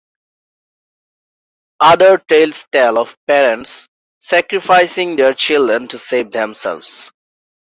Other tales tell of parents sacrificing their children to save themselves.